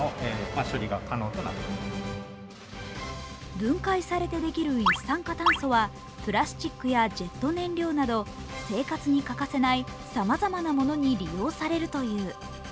分解されてできる一酸化炭素はプラスチックやジェット燃料など生活に欠かせないさまざまなものに利用されるという。